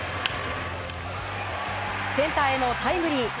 センターへのタイムリー。